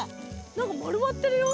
何か丸まってるよ。